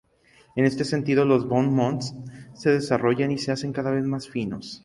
En este sentido, los bon-mots se desarrollan y se hacen cada vez más finos.